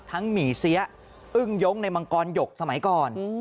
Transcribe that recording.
หมี่เสียอึ้งย้งในมังกรหยกสมัยก่อน